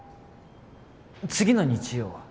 次の日曜は？